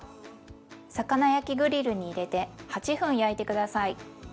魚焼きグリルに入れて８分焼いて下さい。